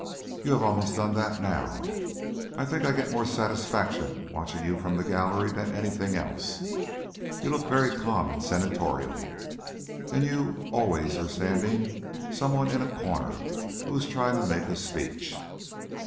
"You almost have done that now. I think I get more satisfaction watching you from the gallery than anything else. You look very calm and senatorial, and you always are standing some one in a corner who is trying to make a speech."